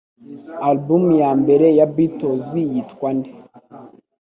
Album ya mbere ya Beatles yitwa nde?